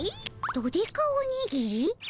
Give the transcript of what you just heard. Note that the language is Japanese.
ドデカおにぎり？